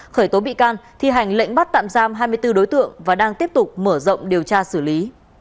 khởi tố bị can thi hành lệnh bắt tạm giam hai mươi bốn đối tượng và đang tiếp tục mở rộng điều tra xử lý